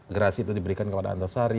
gerasi itu diberikan kepada antasari